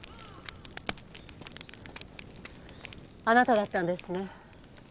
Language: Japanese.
あなただったんですね。